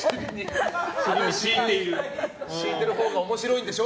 敷いてるほうが面白いでしょ？